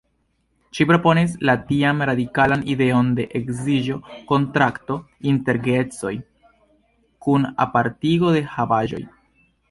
Ŝi proponis la tiam radikalan ideon de ekzidĝo-kontrakto inter geedzoj kun apartigo de havaĵoj.